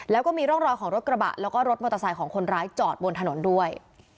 แล้วก็มีร่องรอยของรถกระบะแล้วก็รถมอเตอร์ไซค์ของคนร้ายจอดบนถนนด้วย